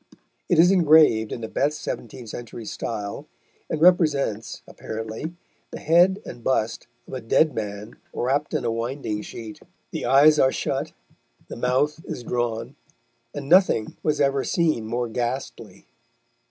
It is engraved in the best seventeenth century style, and represents, apparently, the head and bust of a dead man wrapped in a winding sheet. The eyes are shut, the mouth is drawn, and nothing was ever seen more ghastly.